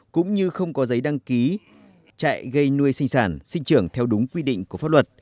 cũng như không có giấy đăng ký chạy gây nuôi sinh sản sinh trưởng theo đúng quy định của pháp luật